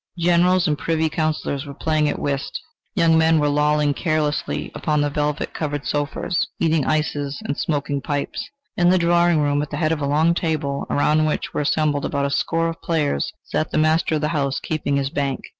Generals and Privy Counsellors were playing at whist; young men were lolling carelessly upon the velvet covered sofas, eating ices and smoking pipes. In the drawing room, at the head of a long table, around which were assembled about a score of players, sat the master of the house keeping the bank.